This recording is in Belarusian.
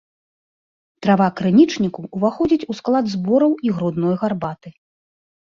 Трава крынічніку ўваходзіць у склад збораў і грудной гарбаты.